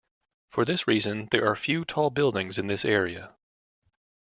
For this reason, there are few tall buildings in this area.